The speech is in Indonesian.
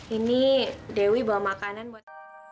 ini dewi bawa makanan buat